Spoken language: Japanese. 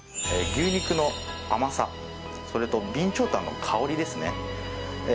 牛肉の甘さそれと備長炭の香りですね。